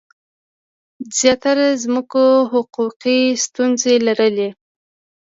زیاتره ځمکو حقوقي ستونزي لرلي.